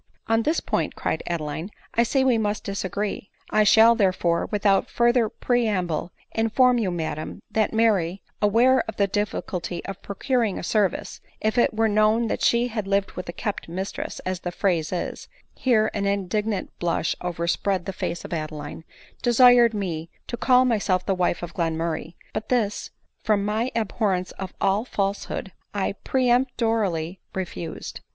"On this point," cried Adeline, "I see we must dis agree — I shall, therefore, without further preamble, in form you, madam, that Mary, aware of the difficulty of procuring a service, if it were known that she had lived with a kept mistress, as the phrase is, (here an indig nant blush overspread the face of Adeline,) desired me to call myself the wife of Glenmurray : but this, from my abhorrence of all falsehood, I peremptorily refused."